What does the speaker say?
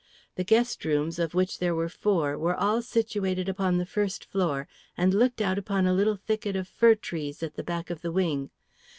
The guest rooms, of which there were four, were all situated upon the first floor and looked out upon a little thicket of fir trees at the back of the wing.